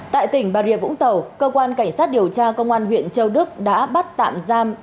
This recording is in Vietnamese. tại tỉnh bà rịa vũng tàu cơ quan cảnh sát điều tra công an huyện châu đức đã bắt tạm giam